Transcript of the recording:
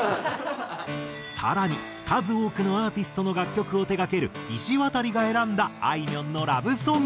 更に数多くのアーティストの楽曲を手がけるいしわたりが選んだあいみょんのラブソング。